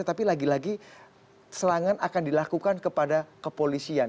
tapi lagi lagi serangan akan dilakukan kepada kepolisian